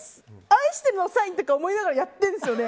愛してるのサインとか思いながらやってるんですよね？